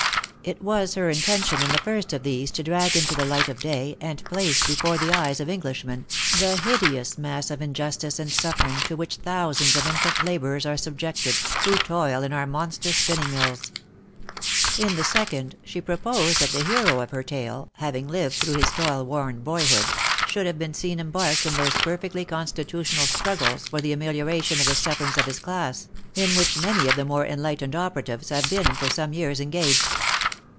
It was her intention in the first of these to drag into the light of day, and place before the eyes of Englishmen, the hideous mass of injustice and suffering to which thousands of infant labourers are subjected, who toil in our monster spinning mills. In the second, she proposed that the hero of her tale, having lived through his toil worn boyhood, should have*been seen embarked in those perfectly constitutional struggles for the amelioration of the sufferings of his class, in which many of the more enlightened operatives have been for some years engaged.